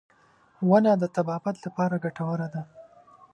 • ونه د طبابت لپاره ګټوره ده.